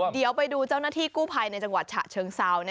เดี๋ยวไปดูเจ้าหน้าที่กู้ภัยในจังหวัดฉะเชิงเซา